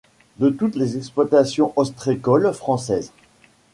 De toutes les exploitations ostréicoles françaises.